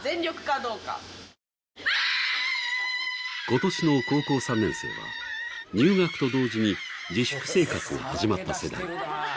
今年の高校３年生は入学と同時に自粛生活が始まった。